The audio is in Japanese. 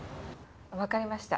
わかりました。